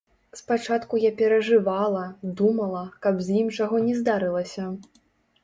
Спачатку я перажывала, думала, каб з ім чаго не здарылася.